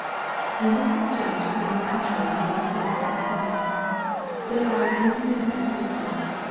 And this exchange seems actually taking place at this time. They are as intimate as sisters.